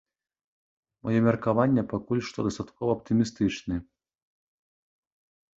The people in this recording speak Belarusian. Маё меркаванне пакуль што дастаткова аптымістычны.